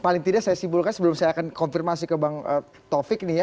paling tidak saya simpulkan sebelum saya akan konfirmasi ke bang taufik nih ya